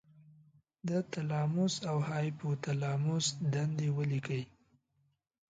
د تلاموس او هایپو تلاموس دندې ولیکئ.